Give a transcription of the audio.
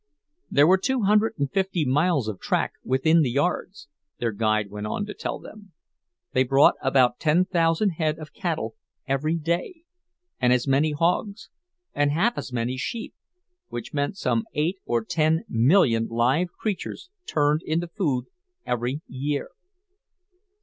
There were two hundred and fifty miles of track within the yards, their guide went on to tell them. They brought about ten thousand head of cattle every day, and as many hogs, and half as many sheep—which meant some eight or ten million live creatures turned into food every year.